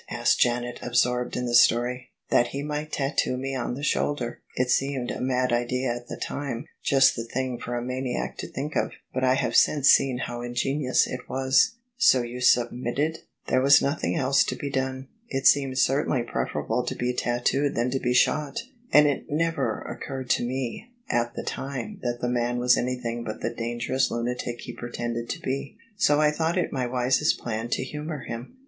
asked Janet, absorbed in the story. " That he might tattoo me on the shoulder. It seemed a mad idea at the time — ^just the thing for a maniac to think of — ^but I have since seen how ingenious it was." " So you submitted ?"" There was nothing else to be done. It seemed certainly preferable to be tattooed than to be shot: and it never occurred to me at the time that the man was anything but the dangerous lunatic he pretended to be: so I thought it my wisest plan to humour him."